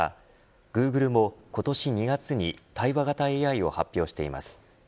グーグルも今年２月に対話型ＡＩを発表しています。